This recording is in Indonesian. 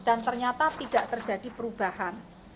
dan ternyata tidak terjadi perubahan